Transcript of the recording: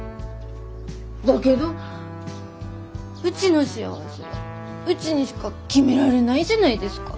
だけどうちの幸せはうちにしか決められないじゃないですか。